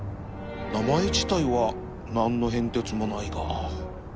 名前自体は何の変哲もないが